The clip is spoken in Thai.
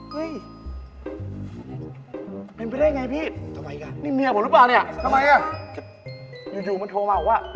เฮ้ยเป็นไปได้ไงพี่นี่เมียผมหรือเปล่าเนี่ยอยู่มันโทรมากว่า